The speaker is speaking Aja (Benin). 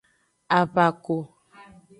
Avako.